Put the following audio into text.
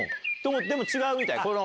でも、違うみたい。